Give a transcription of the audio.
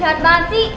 jahat banget sih